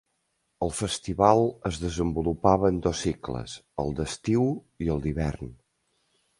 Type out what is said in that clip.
El Festival es desenvolupava en dos cicles, el d'estiu i el d'hivern.